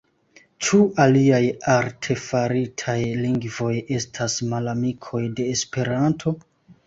Ĉu aliaj artefaritaj lingvoj estas malamikoj de Esperanto?